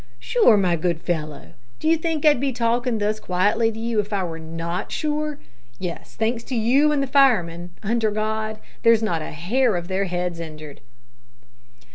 "Sure! my good fellow, d'you think I'd be talking thus quietly to you if I were not sure? Yes, thanks to you and the firemen, under God, there's not a hair of their heads injured."